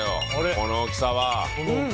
この大きさは。